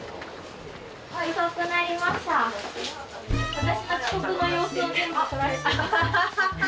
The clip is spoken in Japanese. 私の遅刻の様子を全部撮られて。